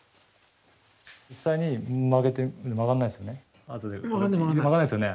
実際に曲げて曲がんないですよね。